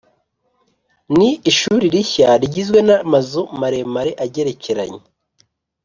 ni ishuri rishya rigizwe n’amazu maremare agerekeranye.